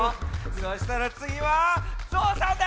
そしたらつぎはゾウさんだ！